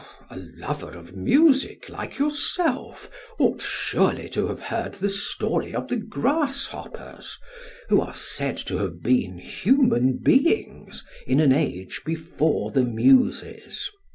SOCRATES: A lover of music like yourself ought surely to have heard the story of the grasshoppers, who are said to have been human beings in an age before the Muses.